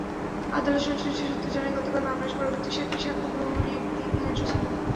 আদালত-সংশ্লিষ্ট সূত্র জানায়, গতকাল মামলার পরবর্তী সাক্ষীর সাক্ষ্য গ্রহণের দিন ধার্য ছিল।